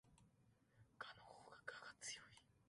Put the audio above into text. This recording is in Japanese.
蛾の我が強い